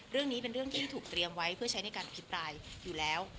เรื่องนี้เป็นเรื่องที่ถูกเตรียมไว้เพื่อใช้ในการอภิปรายอยู่แล้ว